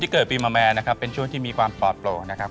เกิดปีมะแม่นะครับเป็นช่วงที่มีความปลอดโปร่งนะครับ